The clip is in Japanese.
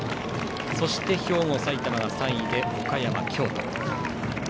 そして兵庫、埼玉が３位で岡山、京都。